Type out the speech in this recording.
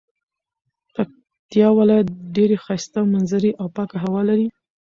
پکتيا ولايت ډيري ښايسته منظري او پاکه هوا لري